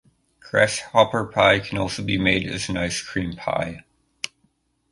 Grasshopper pie can also be made as an ice cream pie.